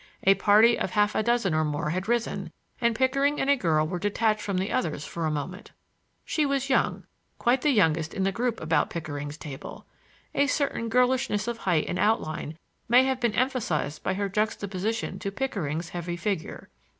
A party of half a dozen or more had risen, and Pickering and a girl were detached from the others for a moment. She was young,—quite the youngest in the group about Pickering's table. A certain girlishness of height and outline may have been emphasized by her juxtaposition to Pickering's heavy figure.